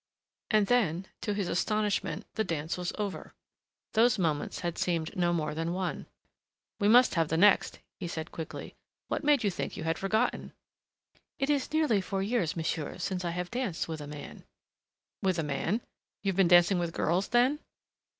And then, to his astonishment, the dance was over. Those moments had seemed no more than one. "We must have the next," he said quickly. "What made you think you had forgotten?" "It is nearly four years, monsieur, since I danced with a man." "With a man? You have been dancing with girls, then?"